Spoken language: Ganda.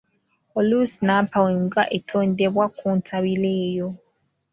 Oluusi nnampawengwa etondebwa ku ntabiro eyo.